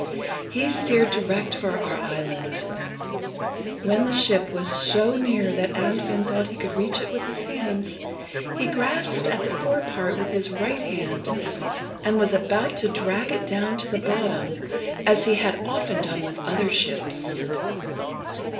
He steered direct for our island. When the ship was so near that Andfind thought he could reach it with his hands, he grasped at the fore part with his right hand, and was about to drag it down to the bottom, as he had often done with other ships.